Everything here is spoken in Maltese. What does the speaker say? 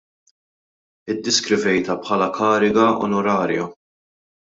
Iddiskrivejtha bħala kariga onorarja.